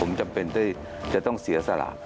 ผมจำเป็นที่จะต้องเสียสละ